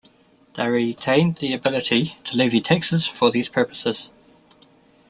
They retain the ability to levy taxes for these purposes.